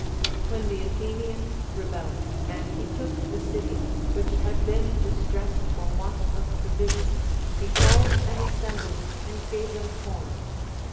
When the Athenians rebelled, and he took the city, Avhich had been distressed for want of provision, he called an assembly and gave them corn.